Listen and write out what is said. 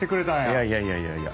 いやいやいやいやいや。